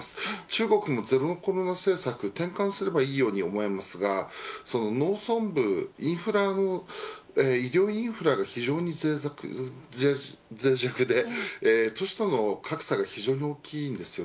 中国のゼロコロナ政策は転換すればいいように聞こえますが農村部医療インフラが非常に脆弱で都市との格差が非常に大きいです。